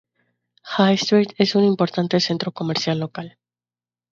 High Street es un importante centro comercial local.